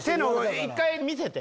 １回見せて！